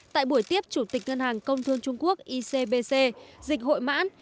tại buổi tiếp chủ tịch ngân hàng công thương trung quốc icbc dịch hội mãn